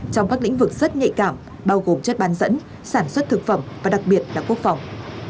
trong các lĩnh vực rất nhạy cảm bao gồm chất bán dẫn sản xuất thực phẩm và đặc biệt là quốc phòng